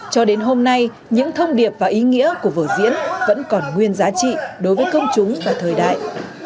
cho đến hôm nay những thông điệp và ý nghĩa của vở diễn vẫn còn nguyên giá trị đối với công chúng và thời đại